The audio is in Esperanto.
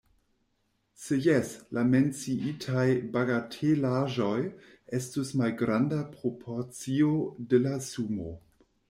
Se jes, la menciitaj bagatelaĵoj estus malgranda proporcio de la sumo.